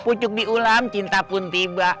pucuk diulam cinta pun tiba